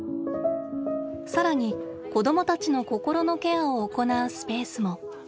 更に子どもたちのこころのケアをおこなうスペースも。